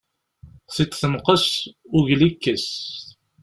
Tiṭ tenqes, ugel ikkes.